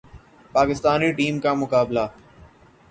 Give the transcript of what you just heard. Pakistani team کا مقابلہ